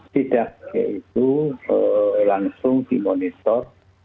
tidak kayak itu langsung dimonitor